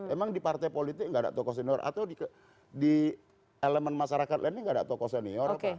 emang di partai politik nggak ada tokoh senior atau di elemen masyarakat lainnya nggak ada tokoh senior